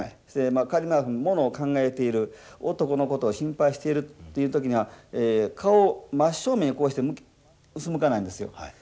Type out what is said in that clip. そして仮にものを考えている男のことを心配しているっていう時には顔を真っ正面にこうしてうつむかないんですよ。